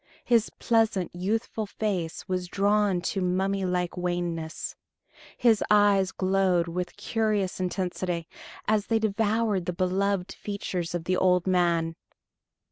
His pleasant, youthful face was drawn to mummy like wanness. His eyes glowed with curious intensity, as they devoured the beloved features of the old man.